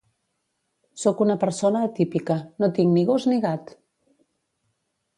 Sóc una persona atípica, no tinc ni gos ni gat